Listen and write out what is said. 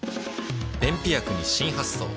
便秘薬に新発想